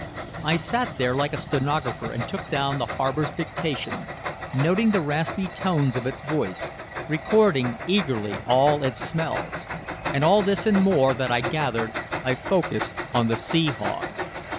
I sat there like a stenographer and took down the harbor's dictation, noting the rasping tones of its voice, recording eagerly all its smells. And all this and more that I gathered, I focussed on the sea hog.